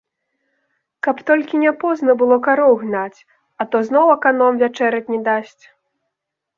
Каб толькі не позна было кароў гнаць, а то зноў аканом вячэраць не дасць.